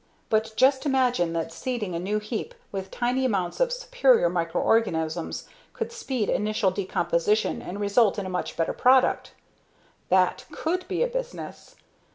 But just imagine that seeding a new heap with tiny amounts of superior microorganisms could speed initial decomposition and result in a much better product. That _could _be a business.